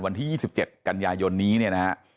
วันที่๒๗กันยายนนี้เนี่ยนะฮะ